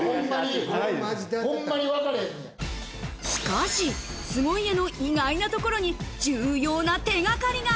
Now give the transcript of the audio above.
しかし、凄家の意外なところに重要な手がかりが。